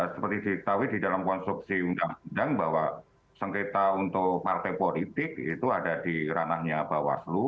seperti diketahui di dalam konstruksi undang undang bahwa sengketa untuk partai politik itu ada di ranahnya bawaslu